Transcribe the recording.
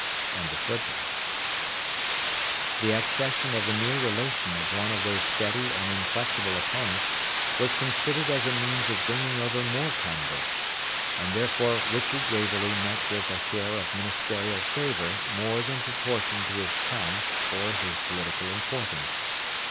] The accession of the near relation of one of those steady and inflexible opponents was considered as a means of bringing over more converts, and therefore Richard Waverley met with a share of ministerial favour more than proportioned to his talents or his political importance.